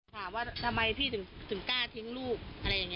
ถามว่าทำไมพี่ถึงกล้าทิ้งลูกอะไรอย่างนี้